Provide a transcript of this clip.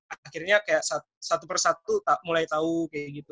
akhirnya kayak satu persatu mulai tahu kayak gitu